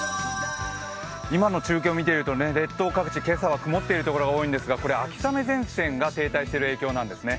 今の中継を見ていると列島各地、今朝は曇っている所が多いんですが、これ、秋雨前線が停滞している影響なんですね。